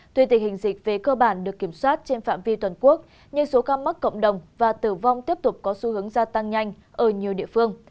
tuy tình hình dịch về cơ bản được kiểm soát trên phạm vi toàn quốc nhưng số ca mắc cộng đồng và tử vong tiếp tục có xu hướng gia tăng nhanh ở nhiều địa phương